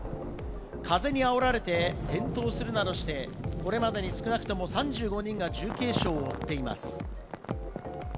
風にあおられて転倒するなどして、これまでに少なくとも３５人が重軽傷を負っています。